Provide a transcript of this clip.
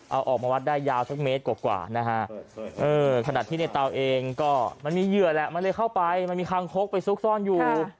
เอาออกมาวัดได้ยาวสักเมตรกว่านะฮะขณะที่ในเตาเองก็มันมีเหยื่อแหละมันเลยเข้าไปมันมีคางคกไปซุกซ่อนอยู่